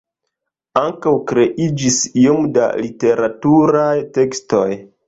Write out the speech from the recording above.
Ankaŭ kreiĝis iom da literaturaj tekstoj.